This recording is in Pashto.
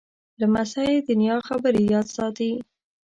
لمسی د نیا خبرې یاد ساتي.